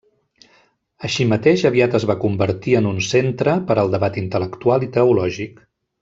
Així mateix, aviat es va convertir en un centre per al debat intel·lectual i teològic.